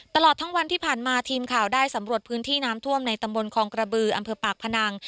ตลอดทั้งวันที่ผ่านมาทีมข่าวได้สำรวจพื้นที่น้ำท่วมในตำบลคองกระบืออำเภอปากพนัง